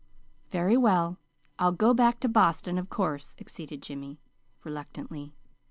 "Very well, I'll go back to Boston, of course," acceded Jimmy reluctantly.